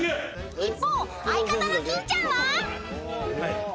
［一方相方の金ちゃんは］